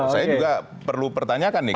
saya juga perlu pertanyakan nih